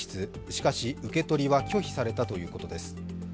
しかし受け取りは拒否されたということです。